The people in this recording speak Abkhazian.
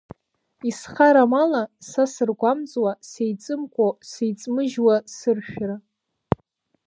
Исхарам ала са сыргәамҵуа, сеиҵымкәо, сеиҵмыжьуа сыршәра.